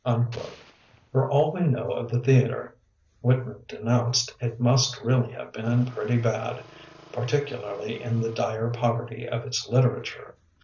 From all we know of the theatre Whitman denounced, it must really have been pretty bad, particularly in the dire poverty of its literature.